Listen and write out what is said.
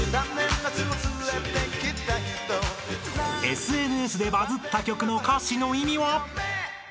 ［ＳＮＳでバズった曲の歌詞の意味は？］